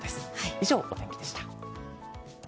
以上、お天気でした。